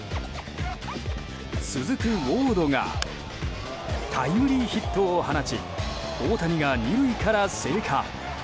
続くウォードがタイムリーヒットを放ち大谷が２塁から生還。